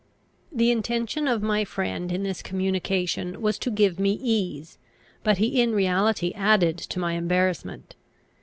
The intention of my friend in this communication was to give me ease; but he in reality added to my embarrassment.